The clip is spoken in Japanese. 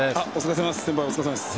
お疲れさまです。